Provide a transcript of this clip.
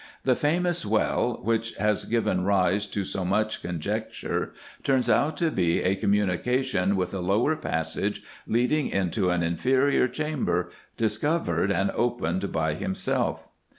The famous well, which has given rise to so much conjecture, turns out to be a communication with a lower passage IX EGYPT, NUBIA, &c. 137 leading into an inferior chamber, discovered and opened by him self.